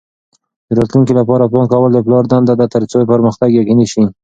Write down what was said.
د راتلونکي لپاره پلان کول د پلار دنده ده ترڅو پرمختګ یقیني شي.